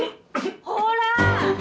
ほら！